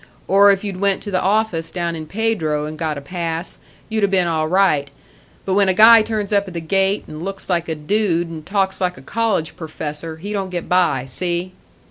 Or if you'd went to the office down in Pedro and got a pass, you'd 'a been all right. But when a guy turns up at the gate, and looks like a dude and talks like a college perfessor, he don't get by, see?"